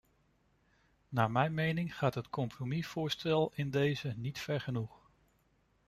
Naar mijn mening gaat het compromisvoorstel in dezen niet ver genoeg.